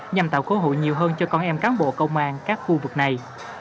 nhằm tạo cơ hội nhiều hơn cho con em cán bộ công an các khu vực này